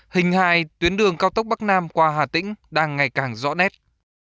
hình hài tuyến đường cao tốc bắc nam qua hà tĩnh đang ngày càng rõ nét